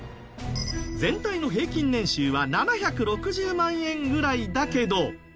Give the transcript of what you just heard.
全体の平均年収は７６０万円ぐらいだけど。